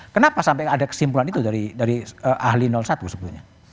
kenapa sampai ada kesimpulan itu dari ahli satu sebetulnya